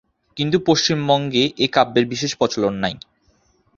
কিন্তু পশ্চিমবঙ্গে এ কাব্যের বিশেষ প্রচলন নাই।